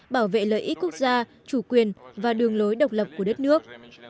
bảo vệ lợi ích quốc gia chủ quyền và đường lối độc lập của đất nước